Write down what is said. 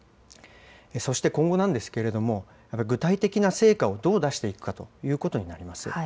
そして今後なんですけれども、具体的な成果をどう出していくかということになります。